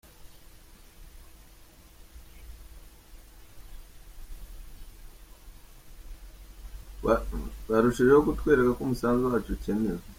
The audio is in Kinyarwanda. Rwarushijeho kutwereka ko umusanzu wacu ukenewe.